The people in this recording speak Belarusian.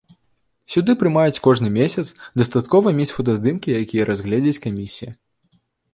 Сюды прымаюць кожны месяц, дастаткова мець фотаздымкі, якія разгледзіць камісія.